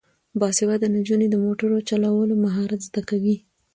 باسواده نجونې د موټر چلولو مهارت زده کوي.